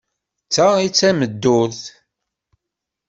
D ta ay d tameddurt!